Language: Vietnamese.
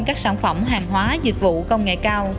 các sản phẩm hàng hóa dịch vụ công nghệ cao